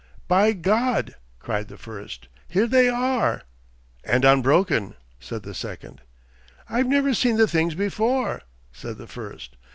'By God,' cried the first. 'Here they are!' 'And unbroken!' said the second. 'I've never seen the things before,' said the first.